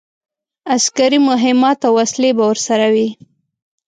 عسکري مهمات او وسلې به ورسره وي.